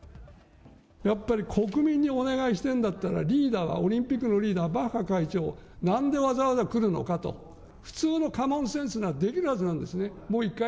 やっぱり国民にお願いしてんだったら、リーダーは、オリンピックのリーダーはバッハ会長、なんでわざわざ来るのかと、普通のコモンセンスならできるはずなんですね。